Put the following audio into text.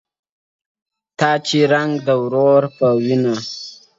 • تا چي رنګ د ورور په وینو صمصام راوړ..